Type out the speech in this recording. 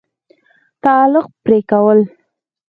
تعلق پرې كول